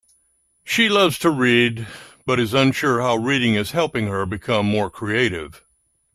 She loves to read, but is unsure how reading is helping her become more creative.